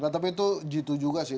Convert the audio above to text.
tapi itu jitu juga sih